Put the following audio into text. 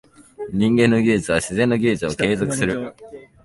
人間の技術は自然の技術を継続する。